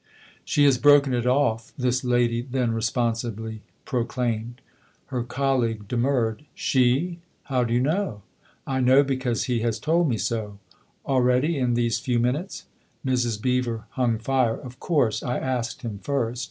" She has broken it off! " this lady then responsibly proclaimed. Her colleague demurred. "She? How do you know ?"" I know because he has told me so." " Already in these few minutes ?" Mrs. Beever hung fire. " Of course I asked him first.